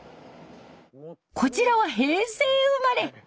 こちらは平成生まれ。